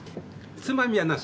つまみはなし。